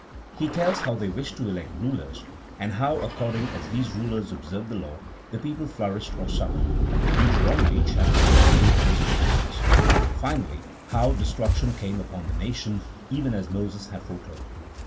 He tells how they wished to elect rulers, and how, accord ing as these rulers observed the law, the people flourished or suffered (Deut. xxviii. 36) ; finally, how destruction came upon the nation, even as Moses had foretold.